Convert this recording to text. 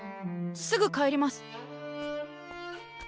すぐ帰ります！